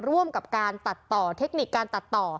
ร่วมกับการตัดต่อเทคนิคการตัดต่อ